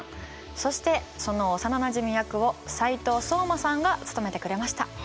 そしてその幼なじみ役を斉藤壮馬さんが務めてくれました。